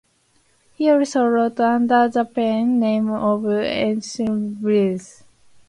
He also wrote under the pen-name of Ethelred Bergeville.